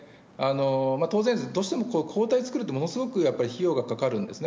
当然、どうしても交代作るって、ものすごく費用がかかるんですね。